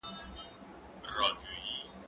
زه پرون سينه سپين کوم!؟